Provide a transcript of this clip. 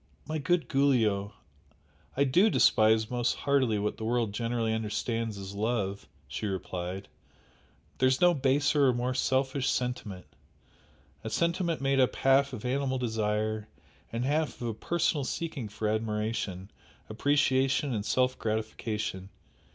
"My good Giulio, I DO despise most heartily what the world generally understands as love" she replied; "There is no baser or more selfish sentiment! a sentiment made up half of animal desire and half of a personal seeking for admiration, appreciation and self gratification!